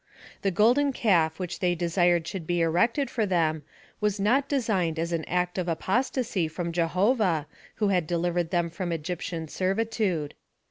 The golden calf which they desired should be erected for them, was not designed as an act of apostacy from Jehovah, who liad delivered them from Egyptian servitude.